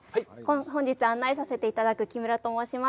本日案内させていただく木村と申します。